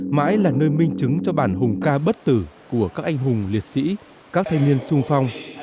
mãi là nơi minh chứng cho bản hùng ca bất tử của các anh hùng liệt sĩ các thanh niên sung phong